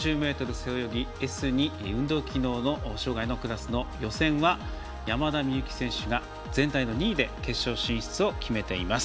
背泳ぎＳ２運動機能障がいのクラスの予選は山田美幸選手が全体の２位で決勝進出を決めています。